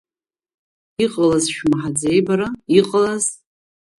Иҟалаз шәмаҳаӡеи бара, иҟалаз?